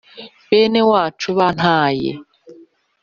bene wacu bantaye,